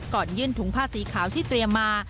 ยื่นถุงผ้าสีขาวที่เตรียมมา